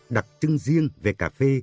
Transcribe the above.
đặc trưng riêng về cà phê